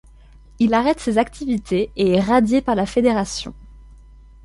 Il arrête ses activités et est radié par la Fédération.